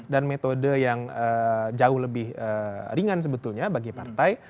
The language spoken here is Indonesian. dan metode yang jauh lebih ringan sebetulnya bagi partai